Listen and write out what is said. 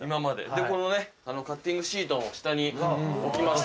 でこのねカッティングシートも下に置きました。